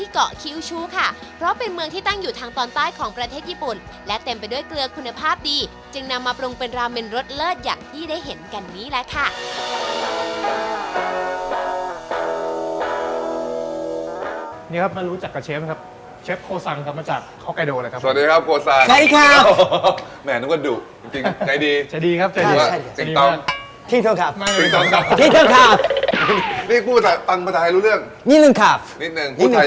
ค่ะเพราะเป็นเมืองที่ตั้งอยู่ทางตอนใต้ของประเทศญี่ปุ่นและเต็มไปด้วยเกลือคุณภาพดีจึงนำมาปรุงเป็นลาเม้นรสเลิศอย่างที่ได้เห็นกันนี้แหละค่ะ